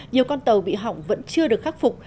nhiều con tàu bị hỏng vẫn chưa được khắc phục